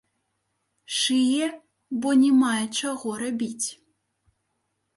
Шые, бо не мае чаго рабіць.